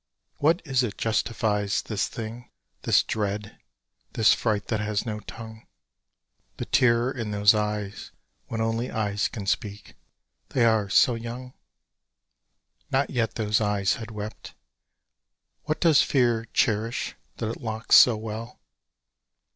What is it justifies This thing, this dread, this fright that has no tongue, The terror in those eyes When only eyes can speak—they are so young? Not yet those eyes had wept. What does fear cherish that it locks so well?